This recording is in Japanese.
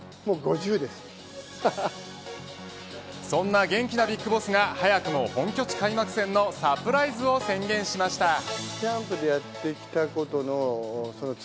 そんな元気なＢＩＧＢＯＳＳが早くも本拠地開幕戦のサプライズを宣言しました。